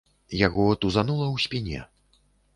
Яго тузанула ў спіне.